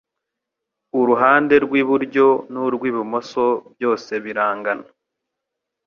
uruhande rw'iburyo n'urw'ibumoso byose birangana